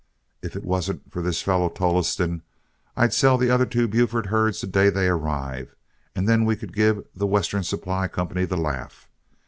If it wasn't for this fellow Tolleston, I'd sell the other two Buford herds the day they arrive, and then we could give The Western Supply Company the laugh.